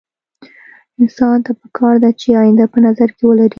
انسان ته پکار ده چې اينده په نظر کې ولري.